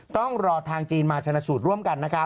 ต้องรอทางจีนมาชะนัดสูตรร่วมกัน